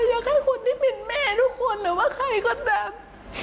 อยากให้คนที่เป็นแม่ทุกคนหรือว่าใครก็ตาม